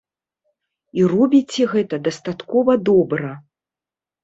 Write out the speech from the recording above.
І робіце гэта дастаткова добра!